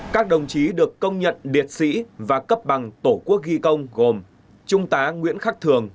các đồng chí được công nhận liệt sĩ và cấp bằng tổ quốc ghi công gồm trung tá nguyễn khắc thường